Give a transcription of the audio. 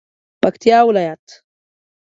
پکتیا ولایت